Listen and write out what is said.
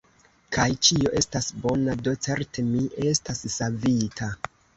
Kaj ĉio estas bona; do certe mi estas savita!